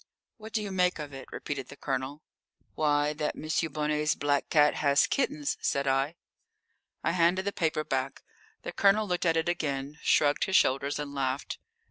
"What do you make of it?" repeated the Colonel. "Why, that M. Bonnet's black cat has kittens," said I. I handed the paper back. The Colonel looked at it again, shrugged his shoulders, and laughed.